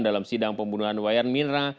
dalam sidang pembunuhan wayan mirna